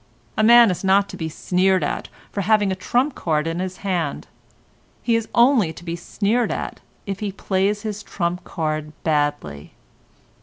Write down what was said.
A man is not to be sneered at for having a trump card in his hand; he is only to be sneered at if he plays his trump card badly.